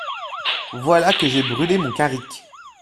Voilà que j'ai brûlé mon carrick.